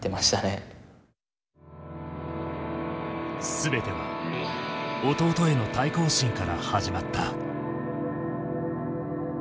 全ては弟への対抗心から始まった。